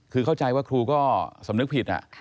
คือเข้าใจว่าครูก็สำนึกผิด